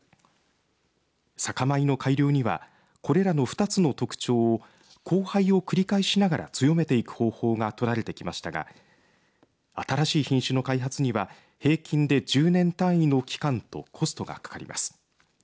酒米の改良にはこれらの２つの特徴を交配を繰り返しながら強めていく方法が取られてきましたが新しい品種の開発には平均で１０年単位の期間とコストがかかります。